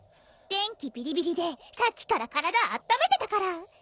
電気ビリビリでさっきから体あっためてたから。